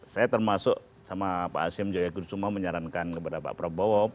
saya termasuk sama pak asyam joya gudsuma menyarankan kepada pak prabowo